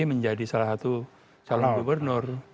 menjadi salah satu calon gubernur